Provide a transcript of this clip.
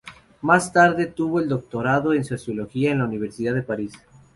Más tarde obtuvo el doctorado en Sociología en la Universidad de París.